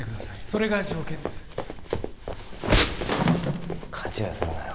それが条件です勘違いするなよ